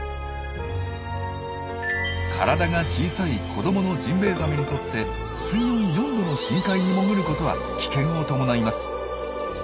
体が小さい子どものジンベエザメにとって水温４℃の深海に潜ることは危険を伴います。